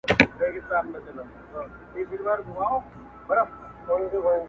ما چي خیبر ته حماسې لیکلې-